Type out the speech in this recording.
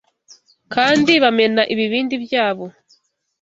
kandi bamena ibibindi byabo